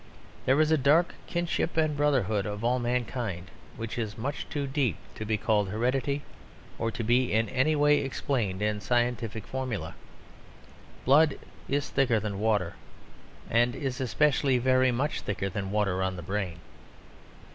There is a dark kinship and brotherhood of all mankind which is much too deep to be called heredity or to be in any way explained in scientific formulæ; blood is thicker than water and is especially very much thicker than water on the brain.